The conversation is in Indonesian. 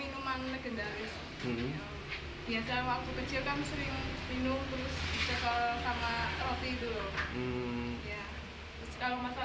ibu dengan tuduh berurus british dalam sebuah somali koloni